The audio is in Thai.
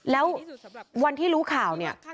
แล้ววันที่รู้ข่าวเนี่ย